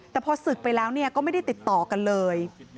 แต่พอศึกไปแล้วก็ไม่ได้ติดต่อกันเลย